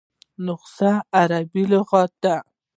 نسخه عربي لغت دﺉ.